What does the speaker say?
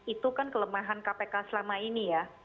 itu kan kelemahan kpk selama ini ya